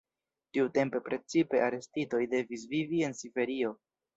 Tiutempe precipe arestitoj devis vivi en Siberio.